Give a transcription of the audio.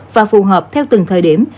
và phù hợp theo từng thời điểm